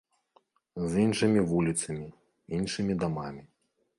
З іншымі вуліцамі, іншымі дамамі.